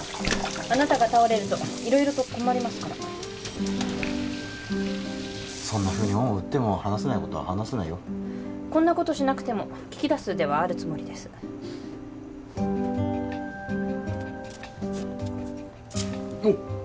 あなたが倒れると色々と困りますからそんなふうに恩を売っても話せないことは話せないよこんなことをしなくても聞き出す腕はあるつもりですおっ！